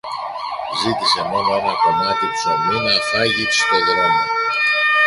Ζήτησε μόνο ένα κομμάτι ψωμί να φάγει στο δρόμο